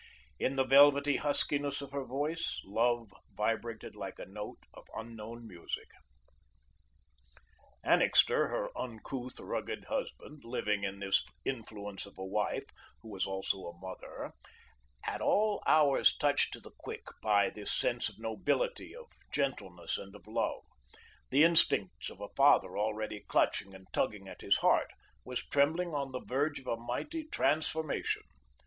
In the velvety huskiness of her voice, Love vibrated like a note of unknown music. Annixter, her uncouth, rugged husband, living in this influence of a wife, who was also a mother, at all hours touched to the quick by this sense of nobility, of gentleness and of love, the instincts of a father already clutching and tugging at his heart, was trembling on the verge of a mighty transformation.